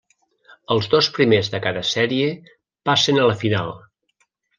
Els dos primers de cada sèrie passen a la final.